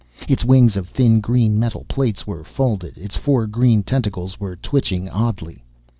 Its wings of thin green metal plates, were folded; its four green tentacles were twitching oddly.